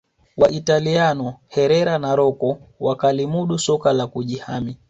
Waitaliano Herera na Rocco wakalilimudu soka la kujihami